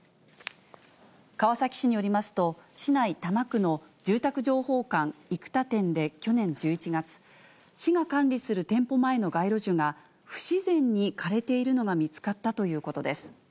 川崎市によりますと、市内多摩区の住宅情報館生田店で去年１１月、市が管理する店舗前の街路樹が、不自然に枯れているのが見つかったということです。